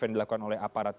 yang dilakukan oleh aparat